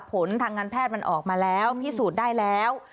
ผลทางการแพทย์มันออกมาแล้วพิสูจน์ได้แล้ว